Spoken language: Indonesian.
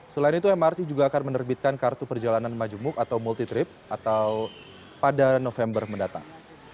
selain itu mrt juga akan menerbitkan kartu perjalanan majemuk atau multi trip atau pada november mendatang